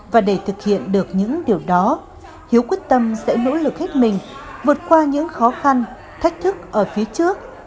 và để thực hiện được những điều đó hiếu quyết tâm sẽ nỗ lực hết mình vượt qua những khó khăn thách thức ở phía trước